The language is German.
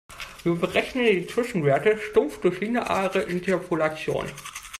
Wir berechnen die Zwischenwerte stumpf durch lineare Interpolation.